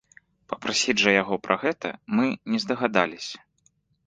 Папрасіць жа яго пра гэта мы не здагадаліся.